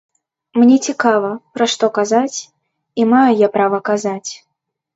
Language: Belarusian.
Мне цікава, пра што казаць, і маю я права казаць.